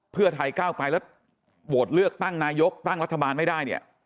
เพื่อไทยก้าวไกลแล้วโหวตเลือกตั้งนายกตั้งรัฐบาลไม่ได้เนี่ย